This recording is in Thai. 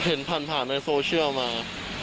เห็นผ่านในโซเชียลมา